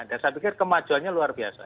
dan saya pikir kemajuannya luar biasa